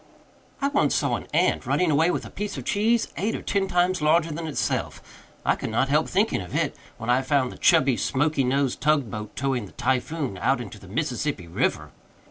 I once saw an ant running away with a piece of cheese eight or ten times larger than itself. I could not help thinking of it, when I found the chubby, smoky nosed tug boat towing the Typhoon out into the Mississippi River.